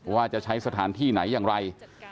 ว่าจะใช้สถานที่ไหนอย่างไร